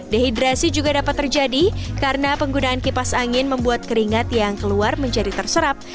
dehidrasi juga dapat terjadi karena penggunaan kipas angin membuat keringat yang keluar menjadi terserap